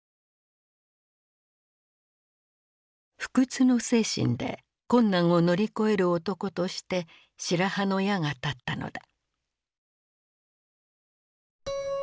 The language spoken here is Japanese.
不屈の精神で困難を乗り越える男として白羽の矢が立ったのだ。